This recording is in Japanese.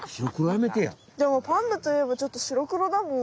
でもパンダといえばちょっと白黒だもん。